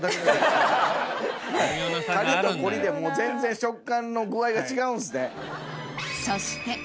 カリッとコリッでもう全然食感の具合が違うんですね。